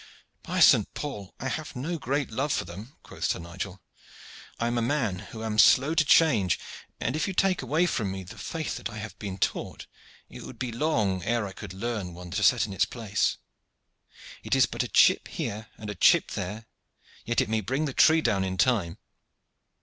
"By St. Paul! I have no great love for them," quoth Sir Nigel. "I am a man who am slow to change; and, if you take away from me the faith that I have been taught, it would be long ere I could learn one to set in its place. It is but a chip here and a chip there, yet it may bring the tree down in time.